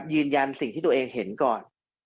ยืนยันสิ่งที่ตัวเองเห็นก่อน